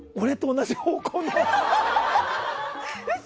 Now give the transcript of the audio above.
ウソ！